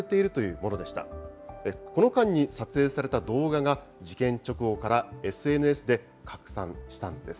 この間に撮影された動画が、事件直後からＳＮＳで拡散したんです。